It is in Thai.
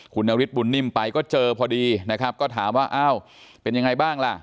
คุณนฤทธบุญนิ่มไปก็เจอพอดีนะครับก็ถามว่าอ้าวเป็นยังไงบ้างล่ะ